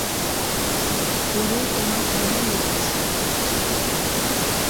পড়ে তোমার কেমন লেগেছে?